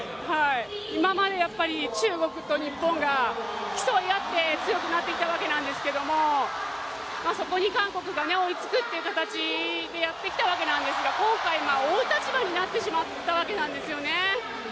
今まで中国と日本が競い合って強くなってきたわけなんですけども、そこに韓国が追いつくという形でやってきたわけなんですが今回、追う立場になってしまったわけなんですよね。